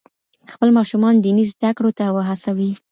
خپل ماشومان دیني زده کړو ته وهڅوئ.